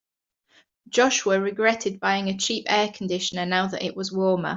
Joshua regretted buying a cheap air conditioner now that it was warmer.